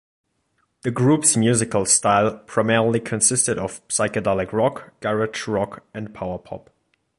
The group's musical style primarily consisted of psychedelic rock, garage rock and power pop.